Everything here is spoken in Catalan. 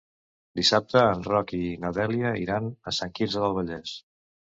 Dissabte en Roc i na Dèlia iran a Sant Quirze del Vallès.